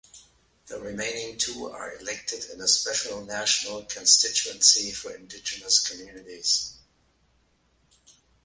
The remaining two are elected in a special national constituency for Indigenous communities.